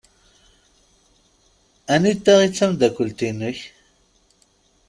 Anita i d tamdakelt-inek?